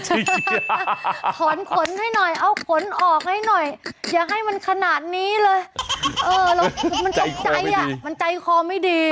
ถอนขนให้หน่อยเอาขนออกให้หน่อยอย่าให้มันขนาดนี้เลยเออแล้วมันตกใจอ่ะมันใจคอไม่ดี